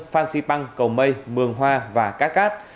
phan xipang cầu mây mường hoa và cát cát